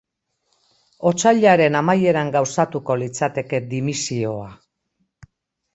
Otsailaren amaieran gauzatuko litzateke dimisioa.